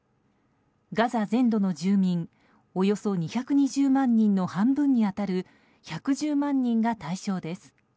ガザ全土の住民およそ２２０万人の半分に当たる１１０万人が対象です。